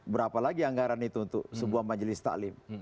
berapa lagi anggaran itu untuk sebuah majelis ta'lim